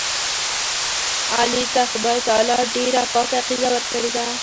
علي ته خدای تعالی ډېره پاکه عقیده ورکړې ده.